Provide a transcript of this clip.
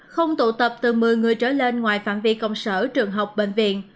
không tụ tập từ một mươi người trở lên ngoài phạm vi công sở trường học bệnh viện